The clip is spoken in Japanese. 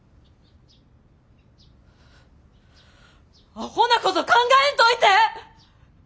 アホなこと考えんといて！